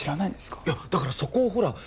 いやだからそこをほら